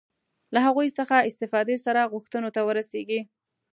له هغوی څخه استفادې سره غوښتنو ته ورسېږي.